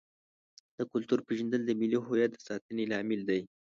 د کلتور پیژندل د ملي هویت د ساتنې لامل دی.